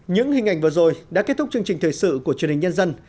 những hình ảnh vừa rồi đã kết thúc chương trình thời sự của truyền hình nhân dân